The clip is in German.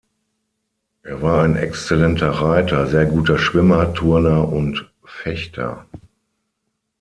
Er war ein exzellenter Reiter, sehr guter Schwimmer, Turner und Fechter.